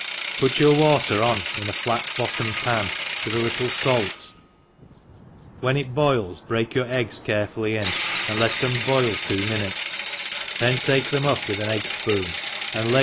PUT your wuter on in a flat bottom pan, with a little fait, when it b6ils break your eggs carefully in^ and let them boil two minutes, then take them up with an egg fpoon, and lay.